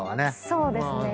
そうですね。